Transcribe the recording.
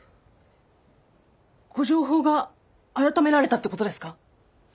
ご定法が改められたってことですか！？